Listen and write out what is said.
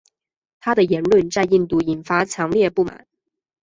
他的言论在印度引发强烈不满。